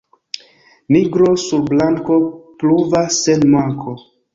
Nigro sur blanko pruvas sen manko.